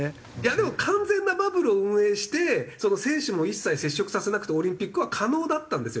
でも完全なバブルを運営してその選手も一切接触させなくてオリンピックは可能だったんですよ